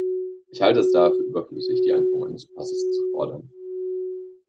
Ich halte es daher für überflüssig, die Einführung eines Passes zu fordern.